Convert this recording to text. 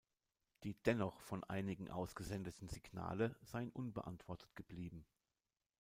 Die dennoch von einigen ausgesendeten Signale seien unbeantwortet geblieben.